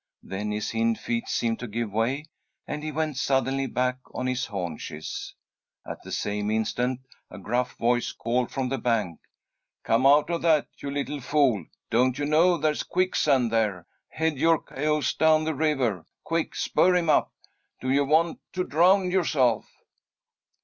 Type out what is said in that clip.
Then his hind feet seemed to give way, and he went suddenly back on his haunches. At the same instant a gruff voice called from the bank, "Come out of that, you little fool! Don't you know there's quicksand there? Head your cayuse down the river! Quick! Spur him up! Do you want to drown yourself?"